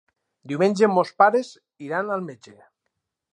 Diumenge mons pares iran al metge.